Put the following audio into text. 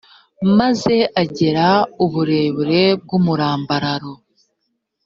maze agera uburebure bw umurambararo